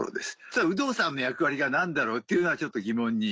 ただ有働さんの役割が何だろうっていうのはちょっと疑問に。